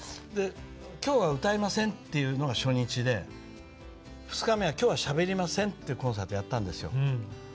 「今日は歌いません」というのが初日で２日目は「今日はしゃべりません」というコンサートをやったんですよ。